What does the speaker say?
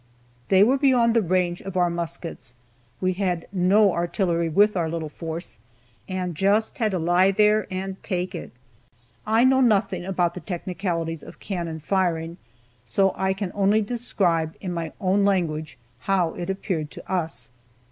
They were beyond the range of our muskets; we had no artillery with our little force, and just had to lie there and take it. I know nothing about the technicalities of cannon firing, so I can only describe in my own language how it appeared to us.